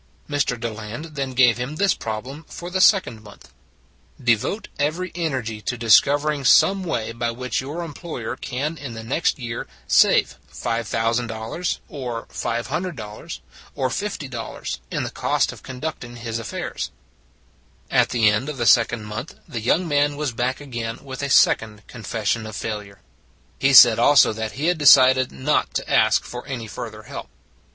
Mr. Deland then gave him this problem for the second month: " Devote every energy to discovering some way by which your employer can in the next year save $5,000, or $500, or $50 in the cost of conducting his affairs." At the end of the second month the young man was back again with a second confession of failure. He said also that he had decided not to ask for any further help.